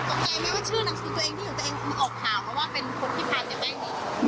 มึงออกข่าวว่าเป็นคนที่พาเสียแป้งดี